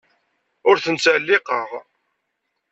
Ur ten-ttɛelliqeɣ.